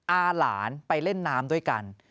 อาหลานไปเล่นน้ำด้วยกัน